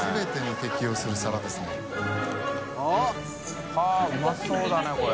叩はぁうまそうだねこれ。